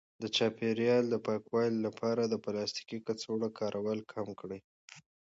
د چاپیریال د پاکوالي لپاره د پلاستیکي کڅوړو کارول کم کړئ.